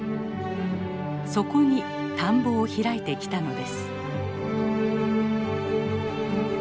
そこに田んぼを開いてきたのです。